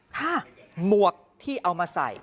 หมวกที่เอามาใส่